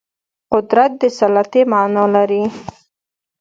قدرت د سلطې معنا لري